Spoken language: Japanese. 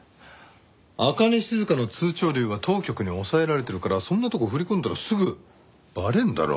朱音静の通帳類は当局に押さえられてるからそんなとこ振り込んだらすぐバレるだろ。